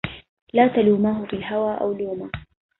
لا تلوماه في الهوى أو لوما